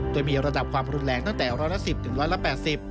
โดยมีระดับความรุนแรงตั้งแต่๑๑๐๑๘๐